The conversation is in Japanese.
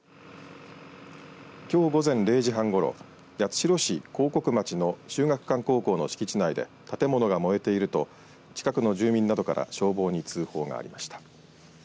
きょう午前０時半ごろ八代市興国町の秀岳館高校の敷地内で建物が燃えていると近くの住民などから消防に通報がありました。